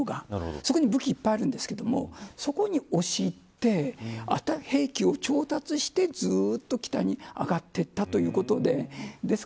そこに武器がいっぱいあるんですけどそこに押し入って兵器を調達してずっと北に上がっていったということです。